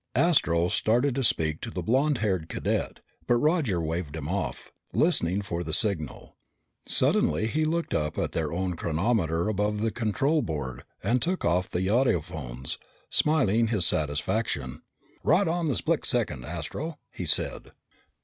Astro started to speak to the blond haired cadet, but Roger waved him off, listening for the signal. Suddenly he looked up at their own chronometer above the control board and took off the audiophones, smiling his satisfaction. "Right on the split second, Astro," he said.